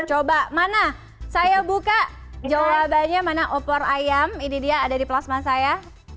coba mana saya buka jawabannya mana opor ayam ini dia ada di plasma saya